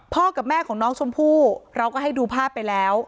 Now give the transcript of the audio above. กับแม่ของน้องชมพู่เราก็ให้ดูภาพไปแล้ว